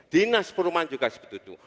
dinas perumahan juga seperti itu